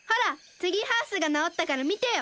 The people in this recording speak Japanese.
ツリーハウスがなおったからみてよ！